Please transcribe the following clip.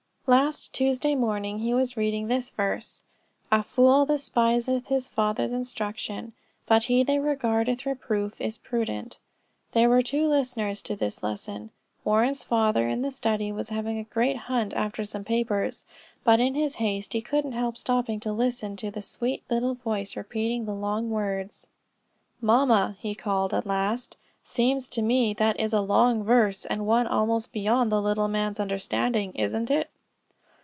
Last Tuesday morning he was reading this verse: "A fool despiseth his father's instruction: but he that regardeth reproof is prudent." There were two listeners to this lesson. Warren's father in the study was having a great hunt after some papers, but in his haste he couldn't help stopping to listen to the sweet little voice repeating the long words. "Mamma," he called at last, "seems to me that is a long verse, and one almost beyond the little man's understanding isn't it?"